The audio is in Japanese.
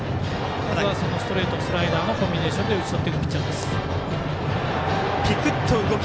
ストレート、スライダーのコンビネーションで打ち取っていくピッチャーです。